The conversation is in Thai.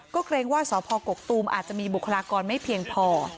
ก็เกรงว่าสพกกตูมอาจจะมีบุคลากรไม่เพียงพอ